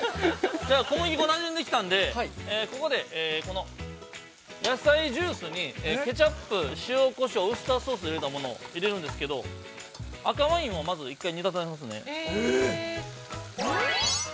じゃあ、小麦粉なじんできたんでここで、この野菜ジュースにケチャップ、塩、こしょうウスターソースを入れたものを入れるんですけど赤ワインをまず一回煮立たせますね。